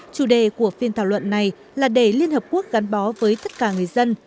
chủ đề của phiên thảo luận này là để liên hợp quốc gắn bó với tất cả người dân